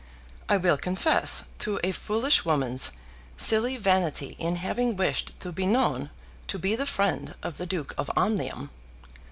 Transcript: I will confess to a foolish woman's silly vanity in having wished to be known to be the friend of the Duke of Omnium.